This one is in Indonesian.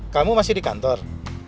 kamu masih di kantor